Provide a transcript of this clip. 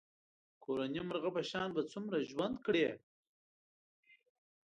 کورني مرغه په شان به څومره ژوند کړې.